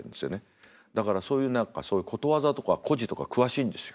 だからそういう何かことわざとか故事とか詳しいんですよ。